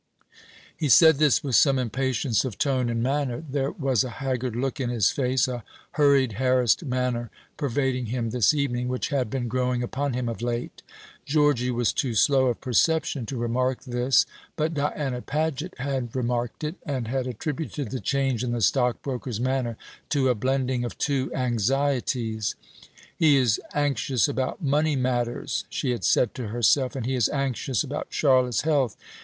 He said this with some impatience of tone and manner. There was a haggard look in his face, a hurried harassed manner pervading him this evening, which had been growing upon him of late. Georgy was too slow of perception to remark this; but Diana Paget had remarked it, and had attributed the change in the stockbroker's manner to a blending of two anxieties. "He is anxious about money matters," she had said to herself, "and he is anxious about Charlotte's health.